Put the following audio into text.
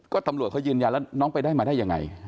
ก็ตำรวจเขายืนยันแล้วน้องไปได้มาได้ยังไง